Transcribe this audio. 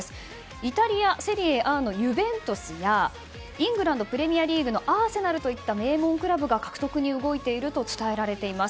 イタリア・セリエＡのユベントスやイングランド・プレミアリーグのアーセナルといった名門クラブが獲得に動いていると伝えられています。